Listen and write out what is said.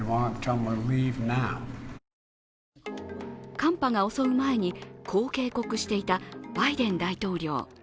寒波が襲う前にこう警告していたバイデン大統領。